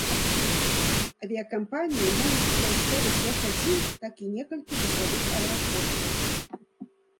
Авіякампаніі могуць выкарыстоўваць як адзін, так і некалькі вузлавых аэрапортаў.